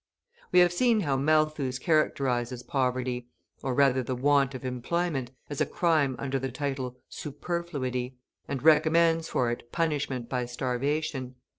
We have seen how Malthus characterises poverty, or rather the want of employment, as a crime under the title "superfluity," and recommends for it punishment by starvation.